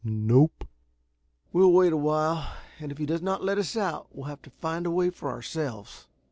"Nope." "We'll wait a while and if he does not let us out, we'll have to find a way for ourselves."